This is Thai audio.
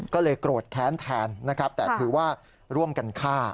ก็เลยโกรธแค้นแทนนะครับแต่ถือว่าร่วมกันฆ่า